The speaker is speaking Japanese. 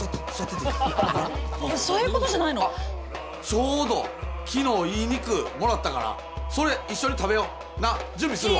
ちょうど昨日いい肉もらったからそれ一緒に食べよ。なあ？準備するわ。